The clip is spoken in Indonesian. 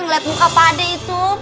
ngelihat muka pade itu